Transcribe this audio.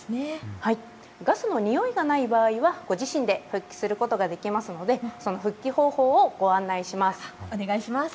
ガスのにおいがない場合はご自身で復帰することができますのでその復帰方法をご案内します。